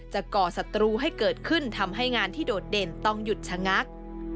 ก่อศัตรูให้เกิดขึ้นทำให้งานที่โดดเด่นต้องหยุดชะงัก